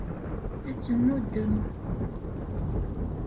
Ad tennuddem.